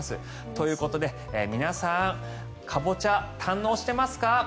ということで皆さんカボチャ堪能してますか？